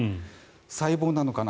細胞なのかな